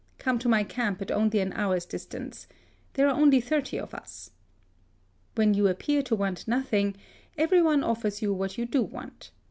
Come to my camp at only an hour's dis tance. There are only thirty of us.' When you appear to want nothing, every one offers you what you do want.